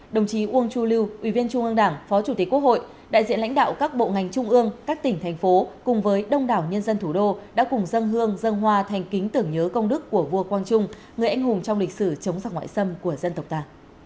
đồng chí uông chu lưu ủy viên trung ương đảng phó chủ tịch quốc hội đại diện lãnh đạo các bộ ngành trung ương các tỉnh thành phố cùng với đông đảo nhân dân thủ đô đã cùng dân hương dân hoa thành kính tưởng nhớ công đức của vua quang trung người anh hùng trong lịch sử chống giặc ngoại xâm của dân tộc ta